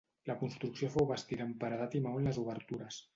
La construcció fou bastida amb paredat i maó en les obertures.